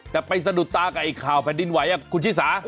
แต่ไปสะดุดตากับไอ้ข่าวแผ่นดินไหวคุณชิสา